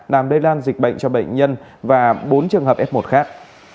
làm lây lan dịch bệnh cho bệnh nhân và bốn trường hợp f một khác